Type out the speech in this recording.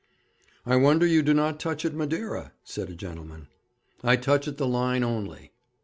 'I wonder you do not touch at Madeira,' said a gentleman. 'I touch at the Line only.'